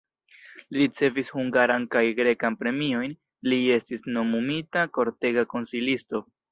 Li ricevis hungaran kaj grekan premiojn, li estis nomumita kortega konsilisto.